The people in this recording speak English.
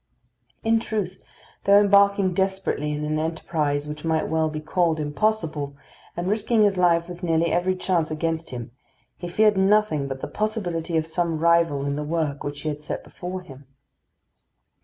In truth, though embarking desperately in an enterprise which might well be called impossible, and risking his life with nearly every chance against him, he feared nothing but the possibility of some rival in the work which he had set before him.